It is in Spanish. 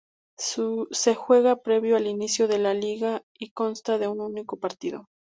Se juega previo al inicio de la liga y consta de un único partido.